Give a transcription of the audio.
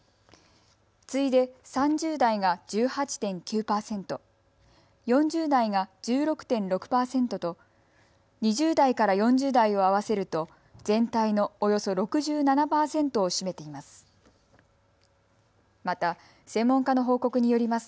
次いで３０代が１８．９％、４０代が１６．６％と２０代から４０代を合わせると全体のおよそ６７％を占めています。